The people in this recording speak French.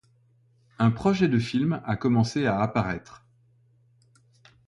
Un projet de film a commencé à apparaitre.